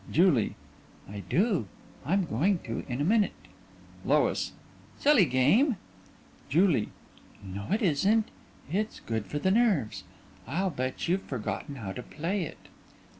JULIE: I do. I'm going to in a minute. LOIS: Silly game. JULIE: (Warmly) No, it isn't. It's good for the nerves. I'll bet you've forgotten how to play it.